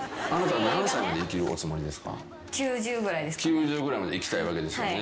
９０ぐらいまで生きたいわけですよね。